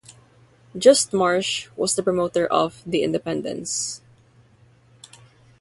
Just Marsh was the promoter of the "independence".